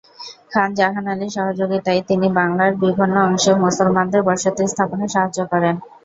খান জাহান আলীর সহযোগিতায় তিনি বাংলার বিভিন্ন অংশে মুসলমানদের বসতি স্থাপনে সাহায্য করেন।